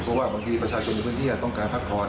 เพราะว่าบางทีประชาชนในพื้นที่ต้องการพักผ่อน